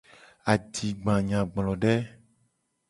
Adigbanyagblode.